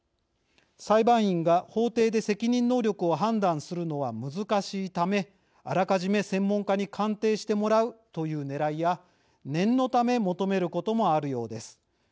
裁判員が、法廷で責任能力を判断するのは難しいためあらかじめ専門家に鑑定してもらうというねらいや念のため求めることもあるようです。